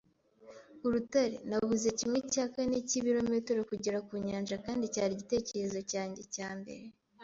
urutare. Nabuze kimwe cya kane cy'ibirometero kugera ku nyanja, kandi cyari igitekerezo cyanjye cya mbere